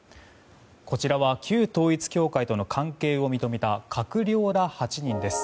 こちらは旧統一教会との関係を認めた閣僚ら８人です。